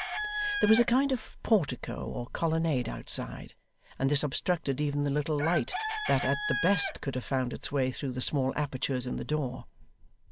There was a kind of portico or colonnade outside, and this obstructed even the little light that at the best could have found its way through the small apertures in the door.